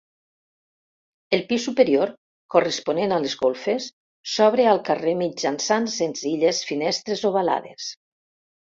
El pis superior, corresponent a les golfes, s'obre al carrer mitjançant senzilles finestres ovalades.